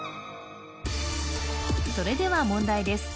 それでは問題です